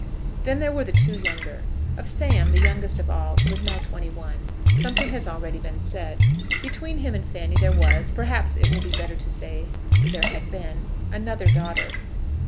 Then there were the two younger. Of Sam, the youngest of all, who was now twenty one, something has already been said. Between him and Fanny there was, perhaps it will be better to say there had been, another daughter.